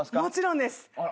もちろんです。